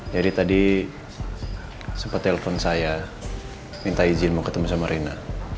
jadi tadi sempat telepon saya minta izin mau ketemu sama rena